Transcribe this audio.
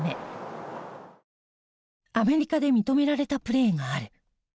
アメリカで認められたプレーがある。